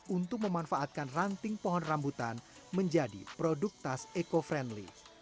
untuk memanfaatkan ranting pohon rambutan menjadi produk tas eco friendly